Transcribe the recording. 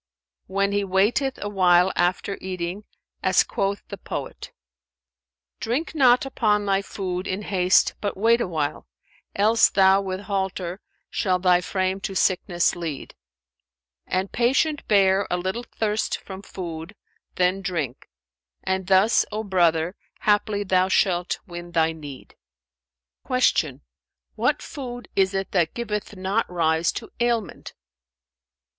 "When he waiteth awhile after eating, as quoth the poet, 'Drink not upon thy food in haste but wait awhile; * Else thou with halter shalt thy frame to sickness lead: And patient bear a little thirst from food, then drink; * And thus, O brother, haply thou shalt win thy need.[FN#403]'" Q "What food is it that giveth not rise to ailments?"